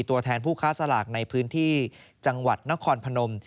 ตัวแทนผู้ค้าสลากในพื้นที่จังหวัดนครพนม